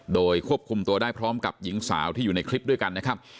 โดยควบคุมตัวได้พร้อมกับหญิงสาวที่อยู่ในคลิปด้วยกันนะครับ